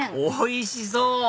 おいしそう！